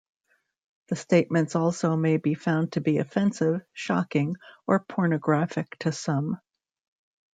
The statements also may be found to be offensive, shocking, or pornographic to some.